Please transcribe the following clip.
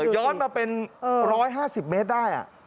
ย้อนมาเป็น๑๕๐เมตรได้